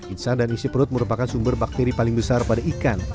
insang dan isi perut merupakan sumber bakteri paling besar pada ikan